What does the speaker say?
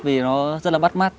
vì nó rất là bắt mắt